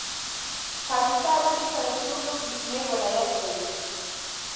کاپیسا ولې تر ټولو کوچنی ولایت دی؟